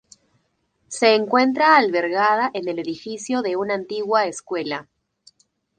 Se encuentra albergada en el edificio de una antigua escuela.